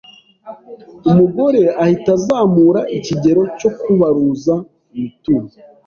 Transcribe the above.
umugore ahita azamura ikirego cyo kubaruza imitungo